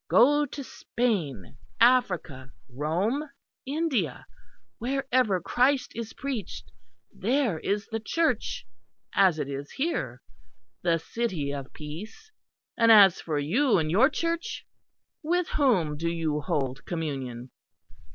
Go to Spain, Africa, Rome, India; wherever Christ is preached; there is the Church as it is here the City of Peace. And as for you and your Church! with whom do you hold communion?"